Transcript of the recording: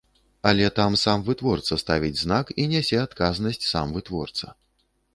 Але там сам вытворца ставіць знак і нясе адказнасць сам вытворца.